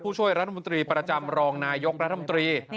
ช่วยรัฐมนตรีประจำรองนายกรัฐมนตรี